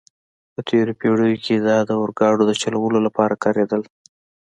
په تېرو پېړیو کې دا د اورګاډو د چلولو لپاره کارېدل.